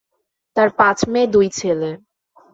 তার পাঁচ মেয়ে, দুই ছেলে।